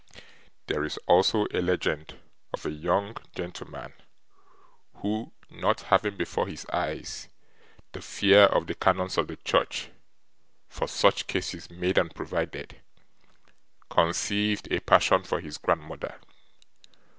There is also a legend of a young gentleman, who, not having before his eyes the fear of the canons of the church for such cases made and provided, conceived a passion for his grandmother.